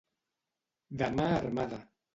De mà armada.